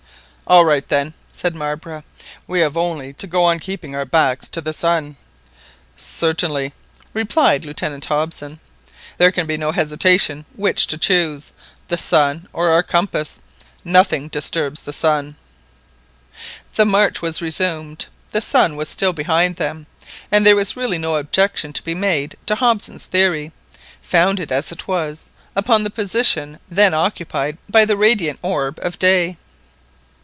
"All right then," said Marbre, "we have only to go on keeping our backs to the sun." "Certainly," replied Lieutenant Hobson, "there can be no hesitation which to choose, the sun or our compass, nothing disturbs the sun." The march was resumed, the sun was still behind them, and there was really no objection to be made to Hobson's theory, founded, as it was, upon the position then occupied by the radiant orb of day.